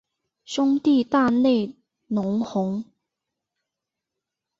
兄弟大内隆弘。